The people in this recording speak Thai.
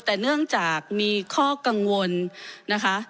แต่เนื่องจากมีข้อกังวลนะคะ